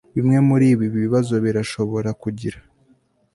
Bimwe muribi bibazo birashobora kugira